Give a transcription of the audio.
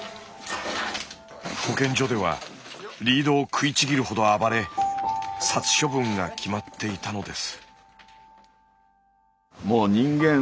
保健所ではリードを食いちぎるほど暴れ殺処分が決まっていたのです。